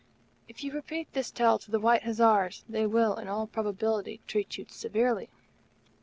If you repeat this tale to the White Hussars they will, in all probability, treat you severely.